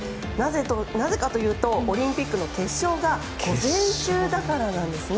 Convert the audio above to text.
なぜかというとオリンピックの決勝が午前中だからなんですね。